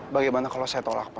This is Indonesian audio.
bagaimana kalau saya tolak